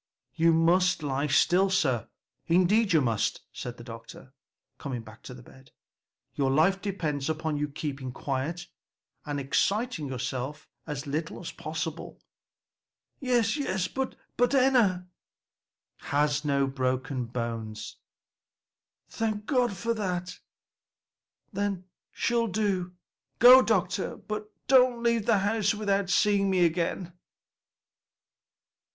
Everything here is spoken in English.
"You must lie still, sir, indeed you must," said the doctor, coming back to the bed; "your life depends upon your keeping quiet and exciting yourself as little as possible." "Yes, yes; but Enna?" "Has no bones broken." "Thank God for that! then she'll do. Go, doctor, but don't leave the house without seeing me again."